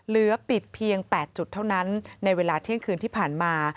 เหลือปิดเพียง๘จุดเท่านั้นในเวลาเที่ยงคืนที่ผ่านมา